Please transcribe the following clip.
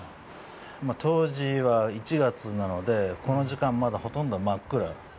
当時は１月なのでこの時間、まだほとんど真っ暗。